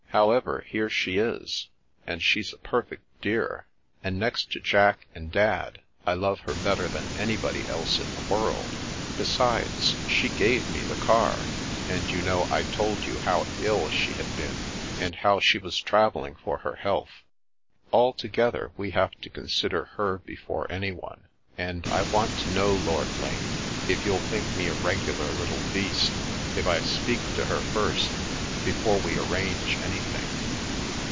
However, here she is, and she's a perfect dear; and next to Jack and Dad I love her better than anybody else in the world. Besides, she gave me the car; and you know I told you how ill she had been, and how she was travelling for her health. Altogether we have to consider her before anyone; and I want to know, Lord Lane, if you'll think me a regular little beast if I speak to her first, before we arrange anything?